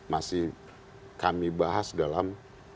masih kami bahas dalam